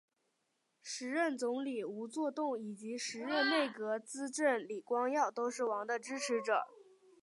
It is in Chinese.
时任总理吴作栋以及时任内阁资政李光耀都是王的支持者。